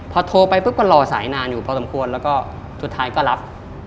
พอโทรไปปุ๊บก็รอสายนานอยู่พอสมควรแล้วก็สุดท้ายก็รับ